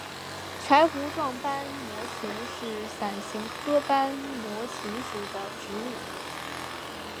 柴胡状斑膜芹是伞形科斑膜芹属的植物。